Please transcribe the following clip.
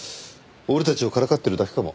俺たちをからかってるだけかも。